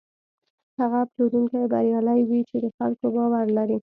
هغه پلورونکی بریالی وي چې د خلکو باور لري.